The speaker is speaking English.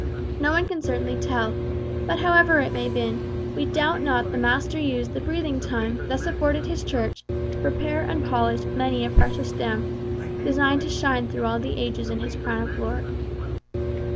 No one can certainly tell; but however it may have been, we doubt not the Master used the breathing time thus afforded his Church to prepare and polish many a precious gem, destined to shine through all ages in his crown of glory.